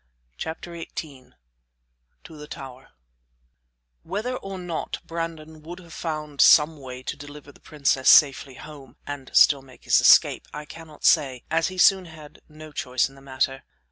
CHAPTER XVIII To the Tower Whether or not Brandon would have found some way to deliver the princess safely home, and still make his escape, I cannot say, as he soon had no choice in the matter.